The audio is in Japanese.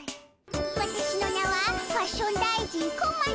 わたしの名はファッション大臣小町。